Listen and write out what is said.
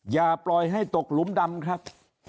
อย่าปล่อยให้ตกหลุมดำครับ